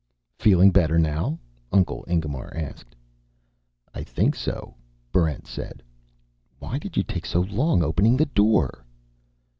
"Feeling better now?" Uncle Ingemar asked. "I think so," Barrent said. "Why did you take so long opening the door?"